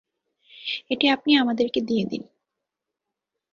এটি আপনি আমাদেরকে দিয়ে দিন।